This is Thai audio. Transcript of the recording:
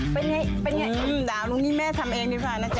เป็นอย่างไรอย่างไรอืมด่าวนุ้นิดแม่ทำเองดีกว่านะจ๊ะ